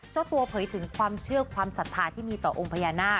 เจ้าตัวเผยถึงความเชื่อความศรัทธาที่มีต่อองค์พญานาค